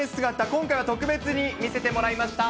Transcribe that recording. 今回は特別に見せてもらいました。